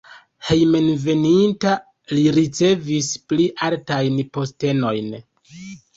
Hejmenveninta li ricevis pli altajn postenojn.